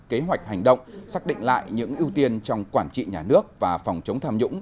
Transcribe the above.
kế hoạch hành động xác định lại những ưu tiên trong quản trị nhà nước và phòng chống tham nhũng